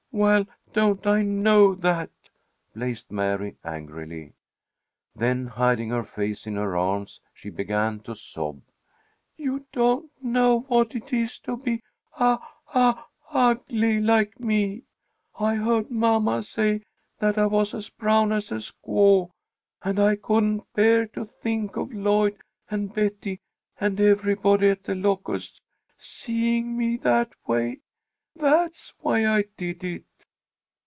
"Well, don't I know that?" blazed Mary, angrily. Then hiding her face in her arms she began to sob. "You don't know what it is to be uh ugly like me! I heard mamma say that I was as brown as a squaw, and I couldn't bear to think of Lloyd and Betty and everybody at The Locusts seeing me that way. That's why I did it!"